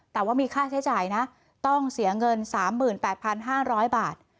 แต่ว่ามีค่าใช้จ่ายนะต้องเสียเงิน๓๘๕๐๐บาท